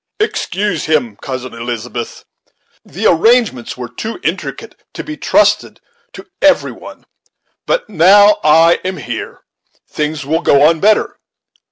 "Excuse him, Cousin Elizabeth. The arrangements were too intricate to be trusted to every one; but now I am here, things will go on better.